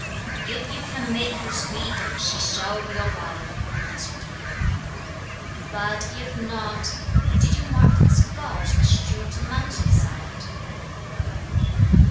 'If you can make her speak she shall be your wife,' answered he; 'but if not did you mark the skulls that strewed the mountain side?'